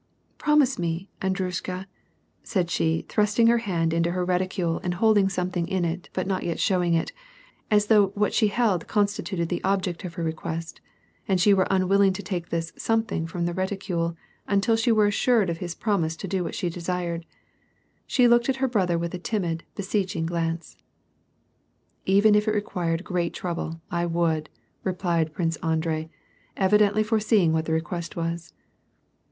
Promise me, Andryusha," said she, thrusting her hand into her reticule 124 WAR AND PEACE, and holding something in it but not yet showing it, as though what she held constituted the object of her request, and she were unwilling to take this soinethinfj from the reticule, until she were assured of his promise to do what she desired. She looked at her brother with a timid, beseeching glance. " Even if it required great trouble, I would," replied Prince Andrei, evidently foreseeing what the request ^ifas.